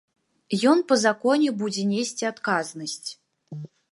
Ён па законе будзе несці адказнасць.